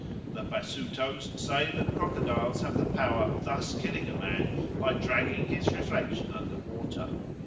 The Basutos say that crocodiles have the power of thus killing a man by dragging his reflection under water.